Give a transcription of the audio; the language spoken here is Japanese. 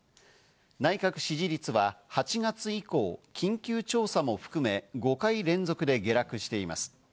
内閣支持率は８月以降、緊急調査も含め、５回連続で下落しています。